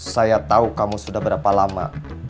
saya tahu kamu sudah berapa lama